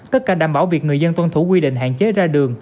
tất cả đảm bảo việc người dân tuân thủ quy định hạn chế ra đường